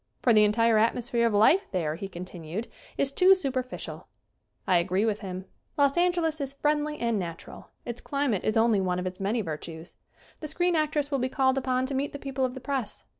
"For the entire atmosphere of life there," he continued, "is too superficial." I agree with him. Los Angeles is friendly 124 SCREEN ACTING and natural. Its climate is only one of its many virtues. The screen actress will be called upon to meet the people of the press.